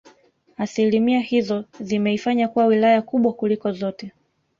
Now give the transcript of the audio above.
Asilimia hizo zimeifanya kuwa Wilaya kubwa kuliko zote